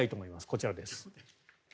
こちらです。